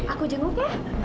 aku jenguk ya